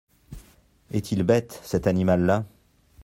Est-il bête, cet animal-là !…